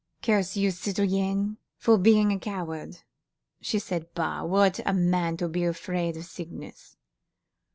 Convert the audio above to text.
"Curse you, citoyen, for being a coward," she said. "Bah! what a man to be afraid of sickness."